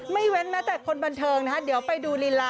เว้นแม้แต่คนบันเทิงนะคะเดี๋ยวไปดูลีลา